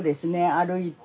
歩いて。